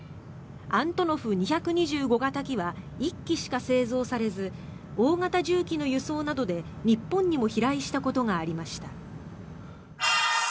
アントノフ２２５型機は１機しか製造されず大型重機の輸送などで日本にも飛来したことがありました。